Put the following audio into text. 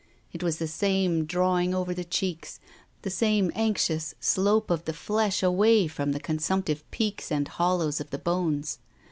It was the same drawing over the cheeks, the same anxious slope of the flesh away from the con sumptive peaks and hollows of the bones.